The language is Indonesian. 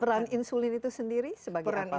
peran insulin itu sendiri sebagai apa hormon